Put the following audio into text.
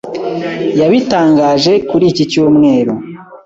yabitangaje kuri iki cyumweru